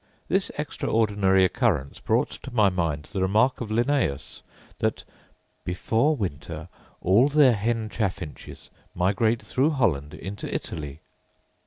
This extraordinary occurrence brought to my mind the remark of Linnaeus; that 'before winter, all their hen chaffinches migrate through Holland into Italy.